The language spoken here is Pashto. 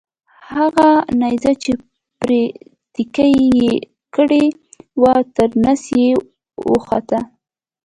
هغه نیزه چې پرې تکیه یې کړې وه تر نس یې وخوته.